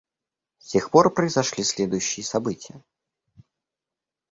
С тех пор произошли следующие события.